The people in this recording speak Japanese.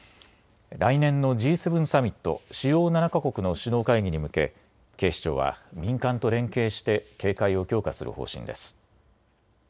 来年のＧ７サミット・主要７か国の首脳会議に向け警視庁は民間と連携して警戒を強化する方針です。